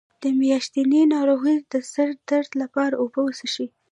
د میاشتنۍ ناروغۍ د سر درد لپاره اوبه وڅښئ